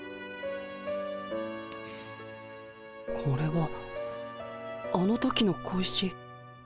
これはあの時の小石。